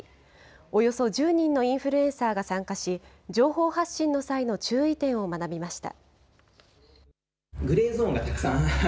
およそ１０人のインフルエンサーが参加し、情報発信の際の注意点を学びました。